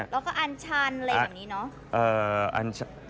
แล้วก็อันชาญเหล่มอย่างนี้เนอะ